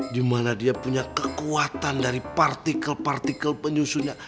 dimana dia punya kekuatan dari partikel partikel penyusunnya